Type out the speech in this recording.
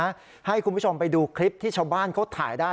ให้คุณผู้ชมไปดูคลิปที่ชาวบ้านเขาถ่ายได้